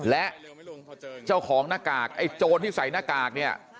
และเจ้าของหน้ากากไอ้โจรที่ใส่หน้ากากเนี่ย